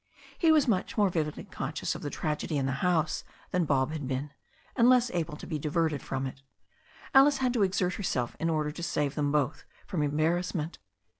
He was much more vividly conscious of the tragedy in the house than Bob had been, and less able to be diverted from it. Alice had to exert herself in order to save them both from embarrassment.